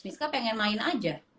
miska pengen main aja